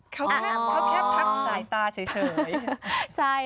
เขาแค่พักสายตาเฉย